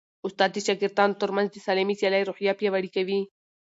استاد د شاګردانو ترمنځ د سالمې سیالۍ روحیه پیاوړې کوي.